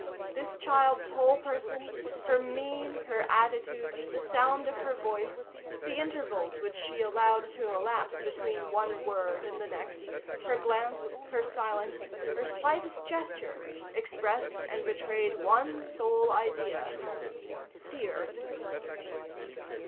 This child's whole person, her mien, her attitude, the sound of her voice, the intervals which she allowed to elapse between one word and the next, her glance, her silence, her slightest gesture, expressed and betrayed one sole idea,—fear.